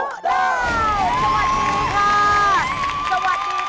ครับทุกคน